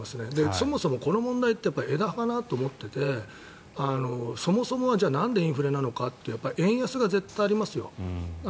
そもそもこの問題って円高かなと思っていてそもそもはなんでインフレなのかと言ったら円安はありますよ。